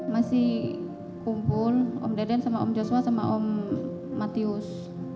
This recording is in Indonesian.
masih kumpul om deden sama om joshua sama om matius